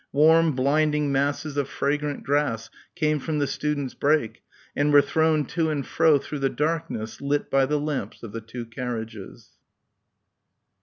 Warm, blinding masses of fragrant grass came from the students' brake and were thrown to and fro through the darkness lit by the lamps of the two carriages.